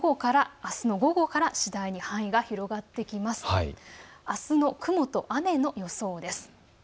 あすの雲と雨の予報です。